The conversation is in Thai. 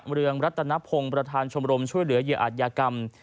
เรืองรัตนพงศ์ประธานชมรมช่วยเหลือเหยื่ออาจยากรรม